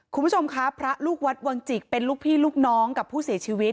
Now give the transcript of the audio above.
คุณผู้ชมคะพระลูกวัดวังจิกเป็นลูกพี่ลูกน้องกับผู้เสียชีวิต